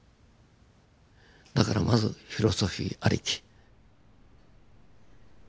だからまずフィロソフィーありき。